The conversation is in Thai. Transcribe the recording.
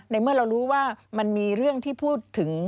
เมื่อเรารู้ว่ามันมีเรื่องที่พูดถึง